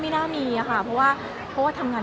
ไม่น่ามีค่ะเพราะว่าทำงาน